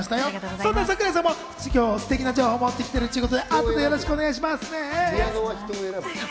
そんな桜井さんも今日すてきな情報を持ってきてるということで後でよろしくお願いしますね。